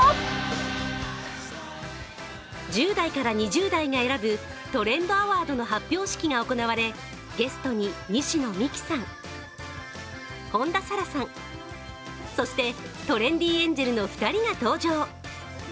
１０代から２０代が選ぶトレンドアワードの発表式が行われゲストに西野未姫さん、本田紗来さんそしてトレンディエンジェルの２人が登場。